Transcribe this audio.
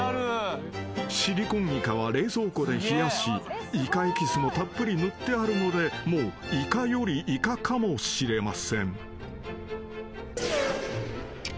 ［シリコンイカは冷蔵庫で冷やしイカエキスもたっぷり塗ってあるのでもうイカよりイカかもしれません］